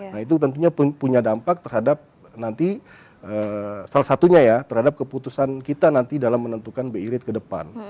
nah itu tentunya punya dampak terhadap nanti salah satunya ya terhadap keputusan kita nanti dalam menentukan bi rate ke depan